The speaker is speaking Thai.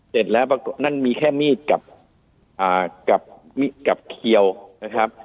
เสร็จแล้วปรากฏนั่นมีแค่มีดกับเขียวนะครับ